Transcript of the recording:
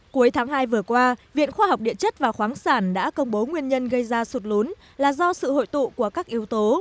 cuối tháng hai vừa qua viện khoa học địa chất và khoáng sản đã công bố nguyên nhân gây ra sụt lún là do sự hội tụ của các yếu tố